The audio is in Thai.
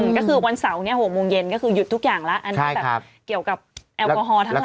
ก็คือวันเสาร์เนี่ย๖โมงเย็นก็คือหยุดทุกอย่างแล้วอันนี้แบบเกี่ยวกับแอลกอฮอล์ทั้งหลาย